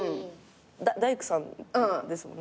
大工さんですもんね。